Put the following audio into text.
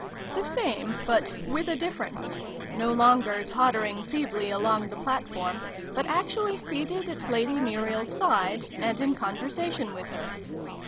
The same, but ' with a difference ': no longer tottering feebly along the platform, but actually seated at Lady Muriel's side, and in conversation with her